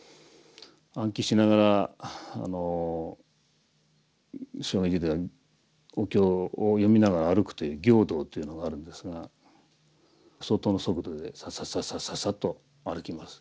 暗記しながらお経を読みながら歩くという行道というのがあるんですが相当の速度でササササササッと歩きます。